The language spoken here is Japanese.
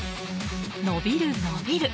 伸びる、伸びる。